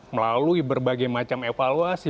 melalui berbagai macam evaluasi